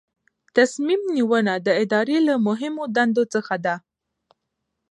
تصمیم نیونه د ادارې له مهمو دندو څخه ده.